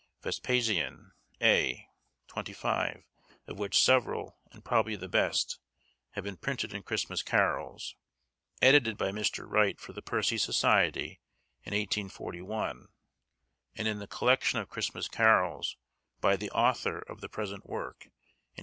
Vespasian A, xxv, of which several, and probably the best, have been printed in Christmas carols, edited by Mr. Wright, for the Percy Society, in 1841, and in the collection of Christmas carols, by the author of the present work, in 1833.